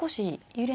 揺れ